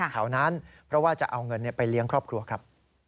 แถวนั้นเพราะว่าจะเอาเงินไปเลี้ยงครอบครัวครับ